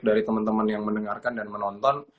dari teman teman yang mendengarkan dan menonton